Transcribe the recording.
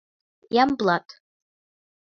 Ямблат...